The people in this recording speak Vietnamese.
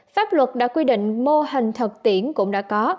pháp luật đã quy định mô hình thực tiễn cũng đã có